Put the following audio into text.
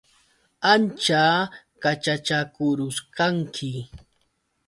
Ancha qaćhachakurusqanki.